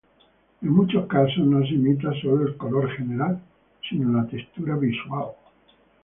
En muchos casos no se imita sólo el color general sino la textura visual.